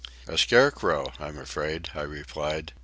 "A scarecrow, I'm afraid," I replied.